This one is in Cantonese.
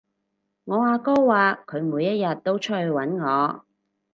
我阿哥話佢每一日都出去搵我